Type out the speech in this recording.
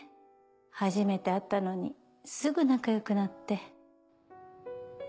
初めて会ったのにすぐ仲良くなって。